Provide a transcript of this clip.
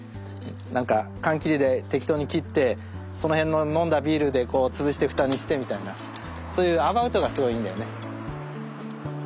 なんか缶切りで適当に切ってその辺の飲んだビールでこう潰して蓋にしてみたいなそういうアバウトがすごいいいんだよね。